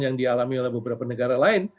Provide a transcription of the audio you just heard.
yang dialami oleh beberapa negara lain